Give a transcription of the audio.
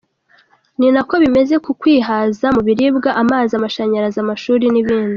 Ni nako bimeze ku kwihaza mu biribwa, amazi, amashanyarazi, amashuri n’ibindi.